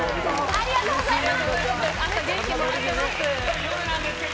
ありがとうございます。